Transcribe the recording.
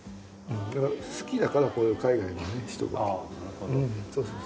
好きだからこういう海外の人と。